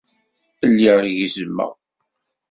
Lliɣ gezzmeɣ.